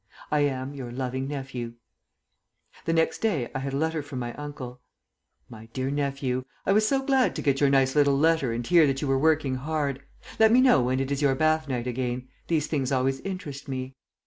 "I am, "Your loving "NEPHEW." The next day I had a letter from my uncle: "MY DEAR NEPHEW, I was so glad to get your nice little letter and to hear that you were working hard. Let me know when it is your bath night again; these things always interest me.